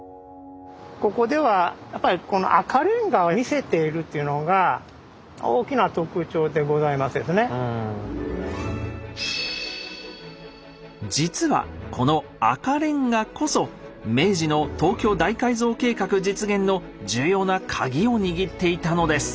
ここではやっぱりこの実はこの「赤レンガ」こそ明治の東京大改造計画実現の重要なカギを握っていたのです。